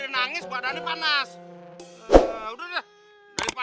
enggak siapa siapa